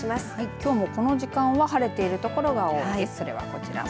きょうもこの時間は晴れているところが多いです。